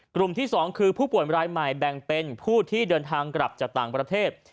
กลุ่มที่๒คือผู้ป่วยรายใหม่แบ่งเป็นผู้ที่เดินทางกลับจากต่างประเทศ